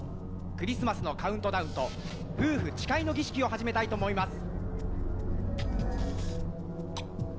クリスマスのカウントダウンと夫婦誓いの儀式を始めたいと思います」